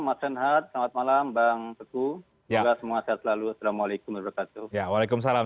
masen hati selamat malam bang teguh ya semua selalu assalamualaikum warahmatullah waalaikumsalam